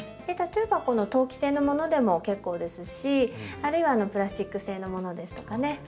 例えばこの陶器製のものでも結構ですしあるいはプラスチック製のものですとかね